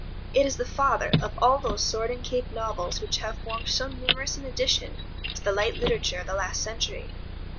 It is the father of all those sword and cape novels which have formed so numerous an addition to the light literature of the last century.